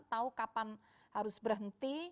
tahu kapan harus berhenti